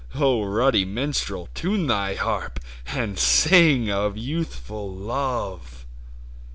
ruddy minstrel, time thy harp. And sing of Youthful Love